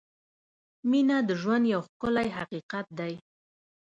• مینه د ژوند یو ښکلی حقیقت دی.